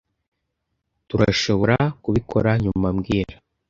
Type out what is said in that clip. Tturashoborakubikora nyuma mbwira